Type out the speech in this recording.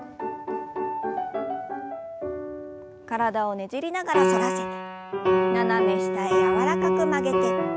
体をねじりながら反らせて斜め下へ柔らかく曲げて。